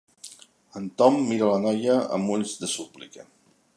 El Tom mira la noia amb ulls de súplica.